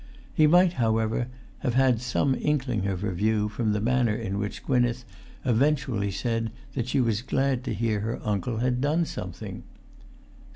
He might, however, have had some inkling of her view from the manner in which Gwynneth eventually said that she was glad to hear her uncle had done something.